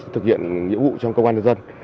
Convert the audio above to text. thực hiện nhiệm vụ trong cơ quan đất dân